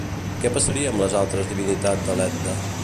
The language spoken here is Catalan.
I què passaria amb les altres divinitat de l'Edda?